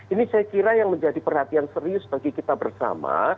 ini saya kira yang menjadi perhatian serius bagi kita bersama